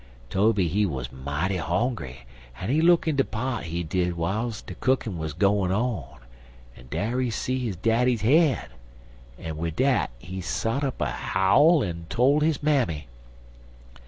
Tobe he wuz mighty hongry, en he look in de pot he did w'iles de cookin' wuz gwine on, en dar he see his daddy head, en wid dat he sot up a howl en tole his mammy.